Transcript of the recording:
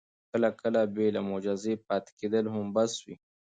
کله کله بې له معجزې پاتې کېدل هم بس وي.